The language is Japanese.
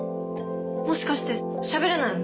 もしかしてしゃべれないの？